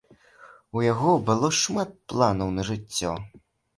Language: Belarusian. У яго было шмат планаў на жыццё.